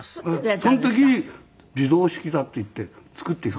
その時に手動式だっていって作って頂いた。